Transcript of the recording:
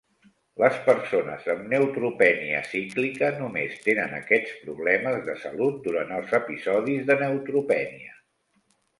Les persones amb neutropènia cíclica només tenen aquests problemes de salut durant els episodis de neutropènia.